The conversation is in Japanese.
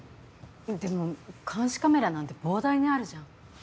でも監視カメラなんて膨大にあるじゃん。